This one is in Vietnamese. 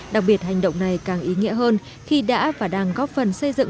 đặc biệt hành động này càng ý nghĩa hơn khi đã và đang góp phần xây dựng